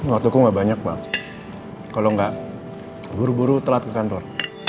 waktu nggak banyak kalau nggak buru buru telat ke kantor